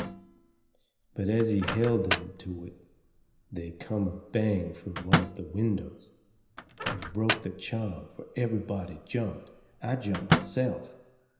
But as he held 'em to it they come a bang from one of the windows. It broke the charm. Fur everybody jumped. I jumped myself.